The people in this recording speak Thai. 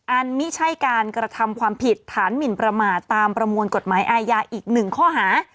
ไม่ใช่การกระทำความผิดฐานหมินประมาทตามประมวลกฎหมายอาญาอีกหนึ่งข้อหา